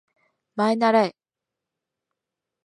まえならえ